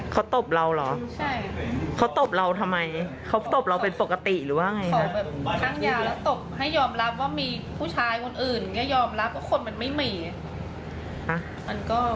เขาก็แบบว่ามาอยู่ในห้องนี้เลยไม่ต้องออกไปไหน